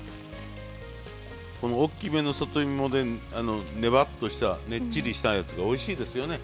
この大きめの里芋でねばっとしたねっちりしたやつがおいしいですよね。